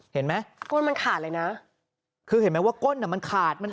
เห็นไหมก้นมันขาดเลยนะคือเห็นไหมว่าก้นอ่ะมันขาดมัน